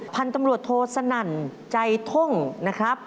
พันธุ์ตำรวจโทสนั่นใจท่งนะครับ